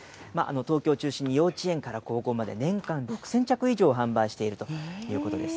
東京を中心に幼稚園から高校まで、年間６０００着以上販売しているということです。